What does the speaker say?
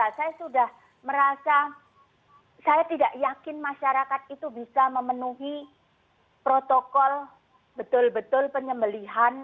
saya sudah merasa saya tidak yakin masyarakat itu bisa memenuhi protokol betul betul penyembelihan